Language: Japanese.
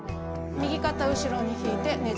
右肩後ろに引いて。